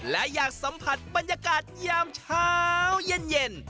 และอยากสัมผัสบรรยากาศยามเช้าเย็น